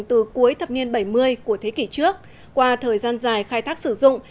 từ cuối thập niên bảy mươi của thế kỷ trước qua thời gian dài khai thác sử dụng